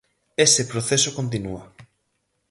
Ese proceso continúa.